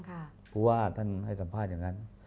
เพราะว่าท่านให้สัมภาษณ์อย่างนั้น